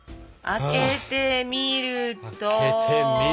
開けてみると。